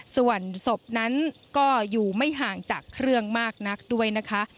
ส่วนศพนั้นก็อยู่ไม่ห่างจากเครื่องมากนักด้วยนะคะ